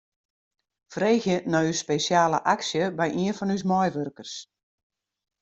Freegje nei ús spesjale aksje by ien fan ús meiwurkers.